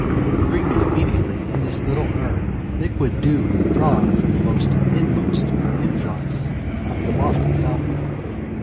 Bring me immediately in this little urn, liquid dew drawn from the most inmost influx of the lofty fountain."